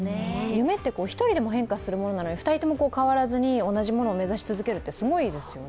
夢って１人でも変化するものなのに２人とも変わらずに同じものを目指し続けるって、すごいですね。